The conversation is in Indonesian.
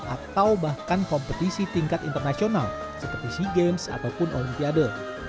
atau bahkan kompetisi tingkat internasional seperti sea games ataupun olimpiade